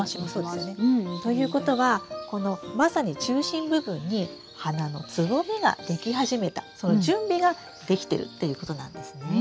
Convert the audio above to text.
ということはこのまさに中心部分に花のつぼみができ始めたその準備ができてるっていうことなんですね。